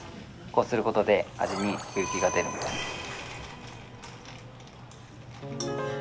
こうすることで味に奥行きが出るんです